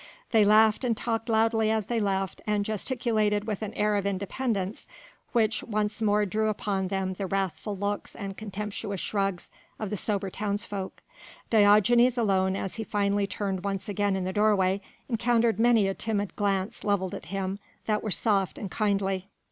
They laughed and talked loudly as they left and gesticulated with an air of independence which once more drew upon them the wrathful looks and contemptuous shrugs of the sober townsfolk. Diogenes alone as he finally turned once again in the doorway encountered many a timid glance levelled at him that were soft and kindly.